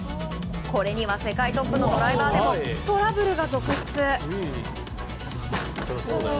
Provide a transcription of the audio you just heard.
これには、世界トップのドライバーでもトラブルが続出。